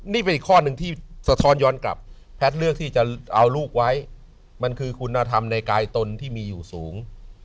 นี่เป็นอีกข้อหนึ่งที่สะท้อนย้อนกลับแพทย์เลือกที่จะเอาลูกไว้มันคือคุณธรรมในกายตนที่มีอยู่สูง